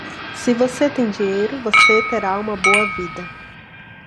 Se você tem dinheiro, você terá uma boa vida.